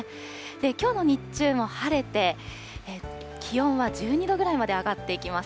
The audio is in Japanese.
きょうの日中も晴れて、気温は１２度ぐらいまで上がっていきます。